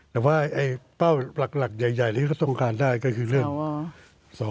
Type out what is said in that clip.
แต่ว่าไอ้เป้าหลักหลักใหญ่ใหญ่นี้เขาต้องการได้ก็คือเรื่องสหว